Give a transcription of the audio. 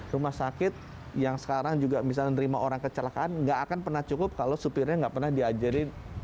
rumah sakit yang sekarang juga misalnya nerima orang kecelakaan nggak akan pernah cukup kalau supirnya nggak pernah diajarin